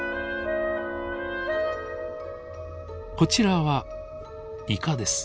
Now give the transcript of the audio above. こちらはイカです。